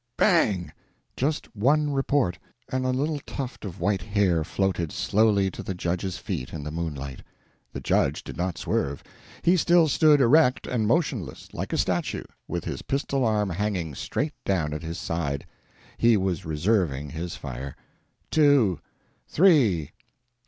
"Bang!" Just one report, and a little tuft of white hair floated slowly to the judge's feet in the moonlight. The judge did not swerve; he still stood erect and motionless, like a statue, with his pistol arm hanging straight down at his side. He was reserving his fire. "Two !" "Three